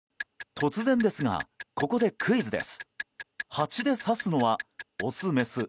突然ですがここでクイズです。